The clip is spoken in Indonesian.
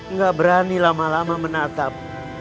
nggak berani lama lama menatap